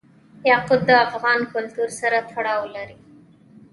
یاقوت د افغان کلتور سره تړاو لري.